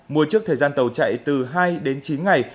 mua trước thời gian tàu chạy từ hai đến chín ngày